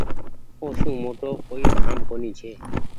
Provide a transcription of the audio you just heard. او سون موٽو ڪوئي ڌآم ڪونيٚ ڇي۔